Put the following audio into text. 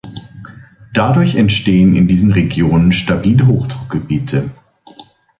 Dadurch entstehen in diesen Regionen stabile Hochdruckgebiete.